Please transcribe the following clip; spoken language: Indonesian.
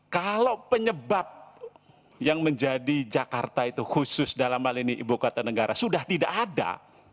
kalau penyebab yang menjadi jakarta itu khusus dalam hal ini ibu kota negara sudah tidak ada